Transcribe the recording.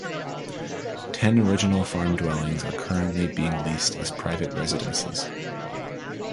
Ten original farm dwellings are currently being leased as private residences.